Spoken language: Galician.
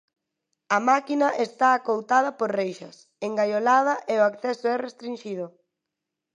A máquina está acoutada por reixas, engaiolada, e o acceso é restrinxido.